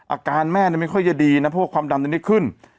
อาการแม่ไม่ค่อยจะดีนะเพราะว่าความดันยังไม่ขึ้น